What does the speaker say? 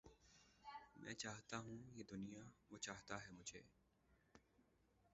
میں چاہتا ہوں یہ دنیا وہ چاہتا ہے مجھے